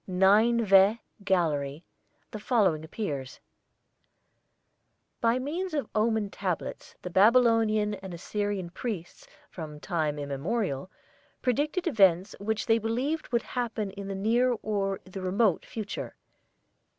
Nineveh Gallery, the following appears: "By means of omen tablets the Babylonian and Assyrian priests from time immemorial predicted events which they believed would happen in the near or in the remote future.